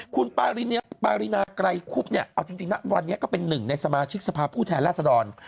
คุณปารินาไกรคุบเนี่ยเอาจริงนะวันนี้ก็เป็นหนึ่งในสมาชิกสภาพผู้แทนราษดร